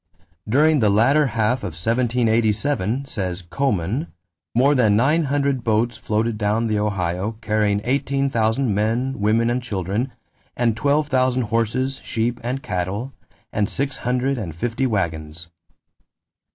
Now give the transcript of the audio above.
"During the latter half of 1787," says Coman, "more than nine hundred boats floated down the Ohio carrying eighteen thousand men, women, and children, and twelve thousand horses, sheep, and cattle, and six hundred and fifty wagons."